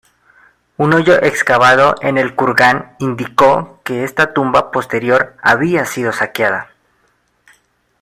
Un hoyo excavado en el kurgan indicó que esta tumba posterior había sido saqueada.